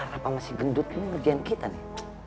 arapa masih gendut nih ngerjain kita nih